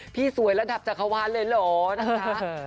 สวยระดับจักรวาลเลยเหรอนะคะ